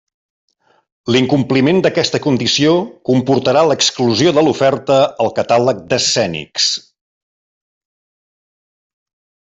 L'incompliment d'aquesta condició comportarà l'exclusió de l'oferta al catàleg d'Escènics.